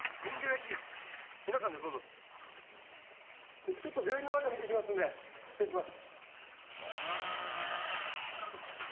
僕ちょっと病院の中見てきますんで失礼します。